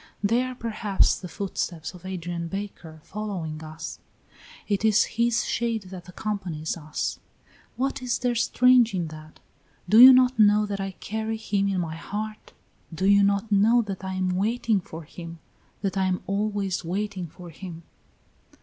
They are perhaps the footsteps of Adrian Baker following us; it is his shade that accompanies us. What is there strange in that? Do you not know that I carry him in my heart? Do you not know that I am waiting for him, that I am always waiting for him?"